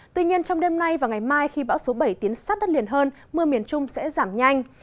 tuy nhiên trong đêm nay và ngày mai khi bão số bảy tiến sát đất liền hơn mưa miền trung sẽ giảm nhanh